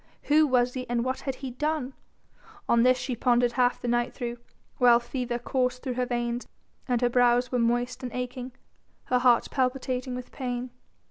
Who was he and what had he done? On this she pondered half the night through, while fever coursed through her veins and her brows were moist and aching, her heart palpitating with pain.